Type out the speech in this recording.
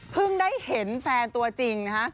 เพิ่งได้เห็นแฟนตัวจริงนะครับ